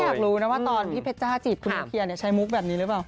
อยากรู้นะว่าตอนพี่เพชรจ้าจีบคุณน้ำเทียนใช้มุกแบบนี้หรือเปล่า